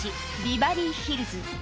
ビバリーヒルズ